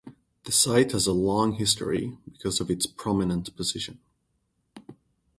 The site has a long history, because of its prominent position.